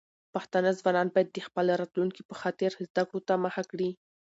پښتانه ځوانان بايد د خپل راتلونکي په خاطر زده کړو ته مخه کړي.